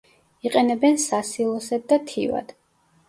იყენებენ სასილოსედ და თივად.